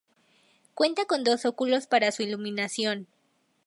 Cuenta con dos óculos para su iluminación.